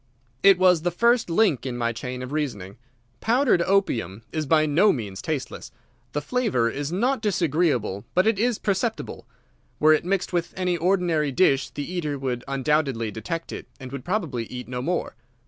"It was the first link in my chain of reasoning. Powdered opium is by no means tasteless. The flavour is not disagreeable, but it is perceptible. Were it mixed with any ordinary dish the eater would undoubtedly detect it, and would probably eat no more.